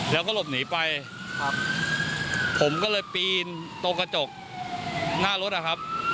แล้วก็หลบหนีไปครับผมก็เลยปีนตรงกระจกหน้ารถอะครับ